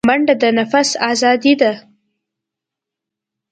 منډه د نفس آزادي ده